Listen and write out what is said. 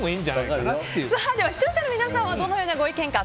視聴者の皆さんはどのようなご意見か。